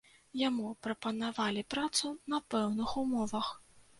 Яму прапанавалі працу на пэўных умовах.